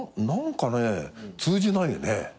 何かね通じないよね。